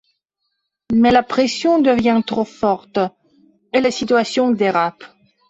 Mais la pression devient trop forte et la situation dérape.